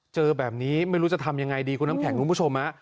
เจอแบบนี้ไม่รู้จะทำยังไงดีคุณน้ำแข็งคุณผู้ชม